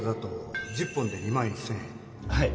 はい。